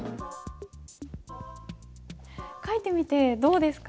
書いてみてどうですか？